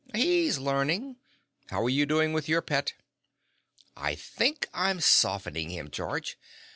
"He's learning. How are you doing with your pet?" "I think I'm softening him, George.